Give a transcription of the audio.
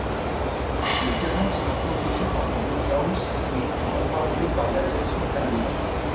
Le terrain sera protégé par des blockhaus et bombardé par l'aviation alliée.